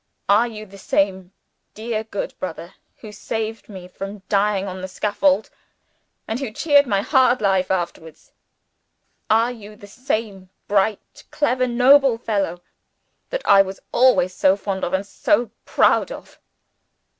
"Are you the same dear good brother who saved me from dying on the scaffold, and who cheered my hard life afterwards? Are you the same bright, clever, noble fellow that I was always so fond of, and so proud of?"